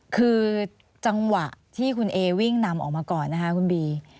คือจังหวะที่คุณเอวิ่งนำออกมาก่อนนะคะคุณบี